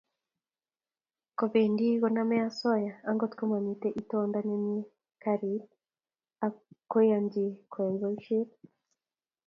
Kobendi konamei asoya angot komamitei itonda ne mie gariit ak koyanchi koyai boisyet.